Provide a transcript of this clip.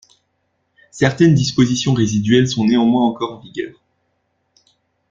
Certaines dispositions résiduelles sont néanmoins encore en vigueur.